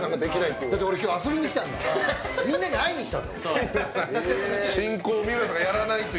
みんなに会いにきたんだもん